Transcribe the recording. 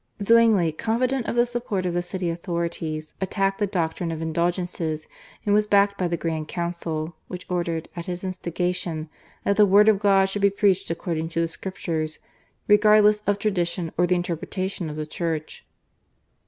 Zwingli, confident of the support of the city authorities, attacked the doctrine of Indulgences and was backed by the Grand Council, which ordered, at his instigation, that the Word of God should be preached according to the Scriptures, regardless of tradition or the interpretation of the Church.